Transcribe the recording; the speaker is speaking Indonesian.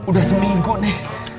udah seminggu nih